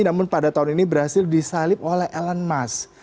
namun pada tahun ini berhasil disalib oleh elon musk